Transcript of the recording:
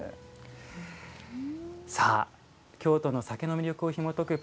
さあ京都の酒の魅力をひもとく